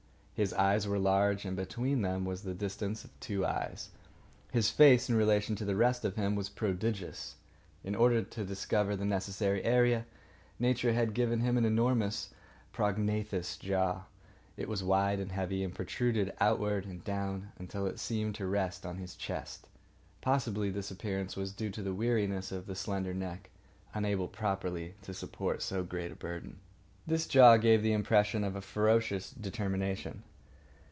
His eyes were large, and between them was the distance of two eyes. His face, in relation to the rest of him, was prodigious. In order to discover the necessary area, Nature had given him an enormous prognathous jaw. It was wide and heavy, and protruded outward and down until it seemed to rest on his chest. Possibly this appearance was due to the weariness of the slender neck, unable properly to support so great a burden. This jaw gave the impression of ferocious determination.